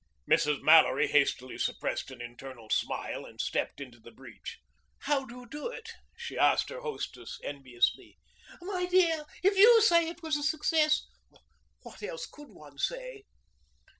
Mrs. Mallory hastily suppressed an internal smile and stepped into the breach. "How do you do it?" she asked her hostess enviously. "My dear, if you say it was a success " "What else could one say?"